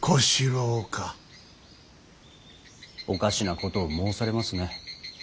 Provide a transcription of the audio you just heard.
おかしなことを申されますね。